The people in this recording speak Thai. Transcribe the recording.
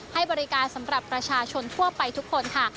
ให้บริการสำหรับประชาชนทั่วไปทุกคนค่ะ